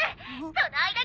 「その間に」